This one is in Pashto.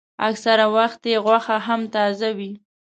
اکثره وخت یې غوښه هم تازه وي.